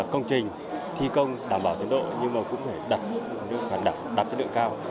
công trình thi công đảm bảo chất lượng nhưng mà cũng phải đặt chất lượng cao